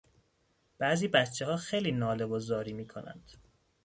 بعضی بچهها خیلی ناله و زاری میکنند.